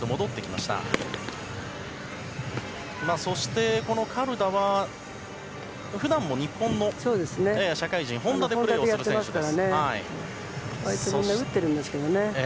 そして、このカルダは普段も日本の社会人ホンダでプレーする選手です。